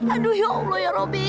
aduh ya allah ya roby